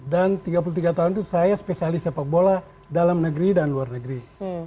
dan tiga puluh tiga tahun itu saya spesialis sepak bola dalam negeri dan luar negeri